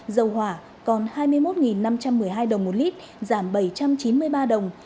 dầu hỏa còn hai mươi một năm trăm một mươi hai đồng một lít giảm bảy trăm chín mươi ba đồng